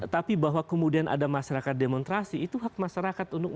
tapi bahwa kemudian ada masyarakat demonstrasi itu juga tidak akan intervensi dalam penegakan hukum